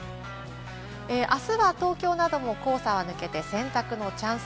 明日は東京なども黄砂は抜けて洗濯のチャンス。